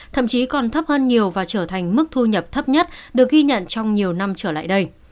thậm chí còn thấp hơn nhiều và trở thành mức thu nhập thấp nhất được ghi nhận trong nhiều năm trở lại đây